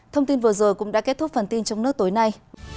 thông tin vừa rồi cũng đã kết thúc phần tin trong nước tối nay